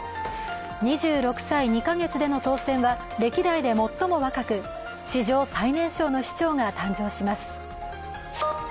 ２６歳２か月での当選は歴代で最も若く史上最年少の市長が誕生します。